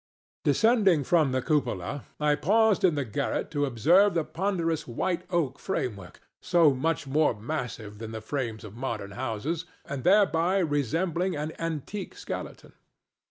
Descending from the cupola, I paused in the garret to observe the ponderous white oak framework, so much more massive than the frames of modern houses, and thereby resembling an antique skeleton.